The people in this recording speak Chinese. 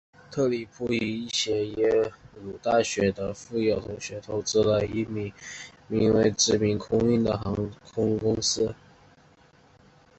特里普与一些耶鲁大学的富有同学投资了一间名为殖民空运的航空公司。